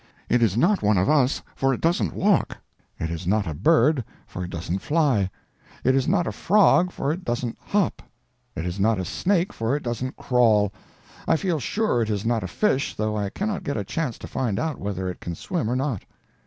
It is not one of us, for it doesn't walk; it is not a bird, for it doesn't fly; it is not a frog, for it doesn't hop; it is not a snake, for it doesn't crawl; I feel sure it is not a fish, though I cannot get a chance to find out whether it can swim or not.